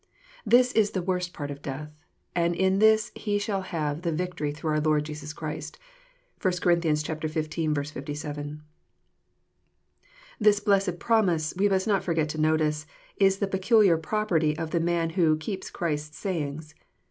This is the worst part of death, — and in this he shall have the " victory through our Lord Jesus Christ." (1 Cor. xv. 57.) This blessed promise, we must not forget to notice, ia the peculiar property of the man who " keeps Christ's sayings."